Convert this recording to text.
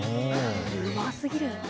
うますぎる。